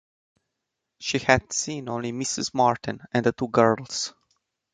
She had seen only Mrs Martin and the two girls.